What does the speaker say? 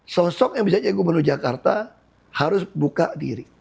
sosok yang bisa jadi gubernur jakarta harus buka diri